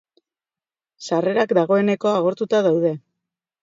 Sarrerak dagoeneko agortuta daude.